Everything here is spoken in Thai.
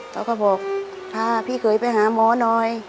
แล้วก็บอกอ่าพี่เข้าไปหาหมอน้อย